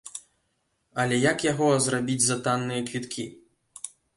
Але як яго зрабіць за танныя квіткі?